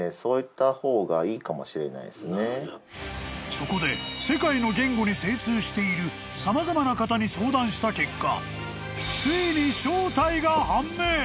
［そこで世界の言語に精通している様々な方に相談した結果ついに］